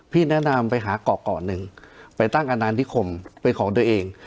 พี่แนะนำไปหาก่อก่อนหนึ่งไปตั้งอาณานิคมไปของตัวเอง